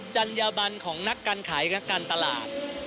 จัญญบันของนักการขายนักการตลาด